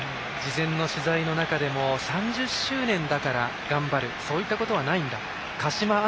事前の取材の中でも３０周年だから頑張るそういったことはないんだと。